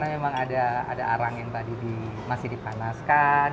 karena memang ada arang yang masih dipanaskan